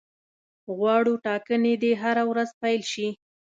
غواړو ټاکنې دي هره ورځ پیل شي.